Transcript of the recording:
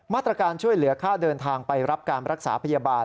มาตรการช่วยเหลือค่าเดินทางไปรับการรักษาพยาบาล